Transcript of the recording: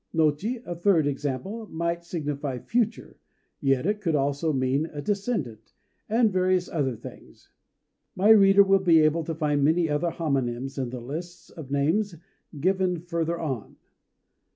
Nochi, a third example, might signify "future"; yet it could also mean "a descendant," and various other things. My reader will be able to find many other homonyms in the lists of names given further on.